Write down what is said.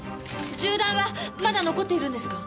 銃弾はまだ残っているんですか？